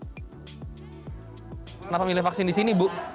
kenapa milih vaksin di sini bu